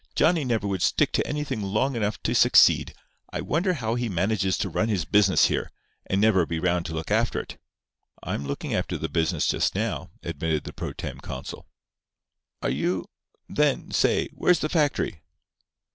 "Johnny never would stick to anything long enough to succeed. I wonder how he manages to run his business here, and never be 'round to look after it." "I'm looking after the business just now," admitted the pro tem. consul. "Are you—then, say!—where's the factory?"